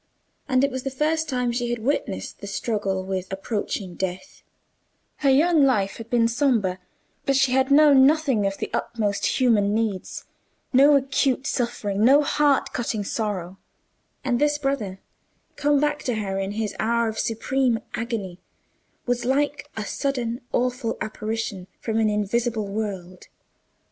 And it was the first time she had witnessed the struggle with approaching death: her young life had been sombre, but she had known nothing of the utmost human needs; no acute suffering—no heart cutting sorrow; and this brother, come back to her in his hour of supreme agony, was like a sudden awful apparition from an invisible world.